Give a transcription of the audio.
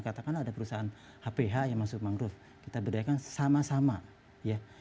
katakanlah ada perusahaan hph yang masuk mangrove kita berdayakan sama sama ya